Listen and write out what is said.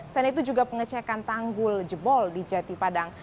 selain itu juga pengecekan tanggul jebol di jati padang